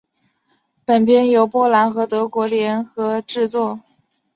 本片由波兰和德国联合制作。